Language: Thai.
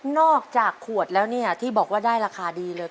อกจากขวดแล้วเนี่ยที่บอกว่าได้ราคาดีเลย